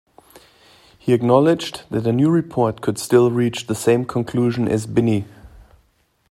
He acknowledged that a new report could still reach the same conclusion as Binnie.